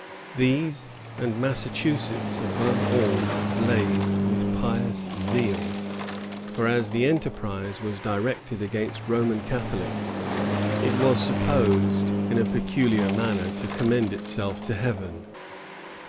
These, and Massachusetts above all, blazed with pious zeal; for as the enterprise was directed against Roman Catholics, it was supposed in a peculiar manner to commend itself to Heaven.